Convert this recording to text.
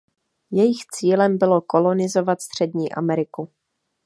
Jejich cílem bylo kolonizovat Střední Ameriku.